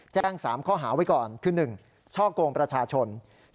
แจ้ง๓ข้อหาไว้ก่อนคือ๑ช่อกงประชาชน